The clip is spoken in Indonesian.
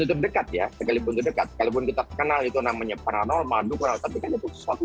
itu dekat ya sekalipun itu dekat sekalipun kita kenal itu namanya paranolmadul tapi kan itu sesuatu